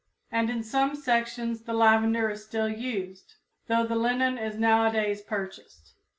And in some sections the lavender is still used, though the linen is nowadays purchased.